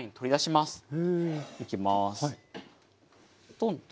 トンと。